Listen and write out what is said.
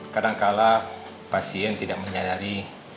kadangkala pasien tidak menyadari